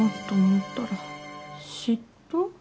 嫉妬？